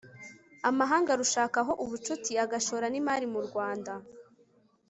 amahanga arushakaho ubucuti agashora n'imari mu rwanda